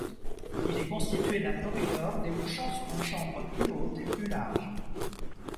Il est constitué d'un corridor débouchant sur une chambre plus haute et plus large.